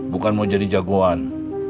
bukan mau jadi jagoan